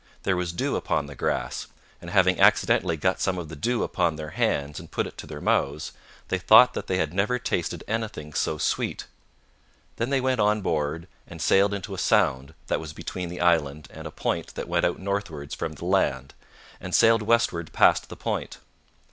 There was dew upon the grass; and having accidentally got some of the dew upon their hands and put it to their mouths, they thought that they had never tasted anything so sweet. Then they went on board and sailed into a sound that was between the island and a point that went out northwards from the land, and sailed westward past the point.